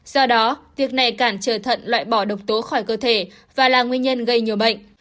do đó việc này cản trở thận loại bỏ độc tố khỏi cơ thể và là nguyên nhân gây nhiều bệnh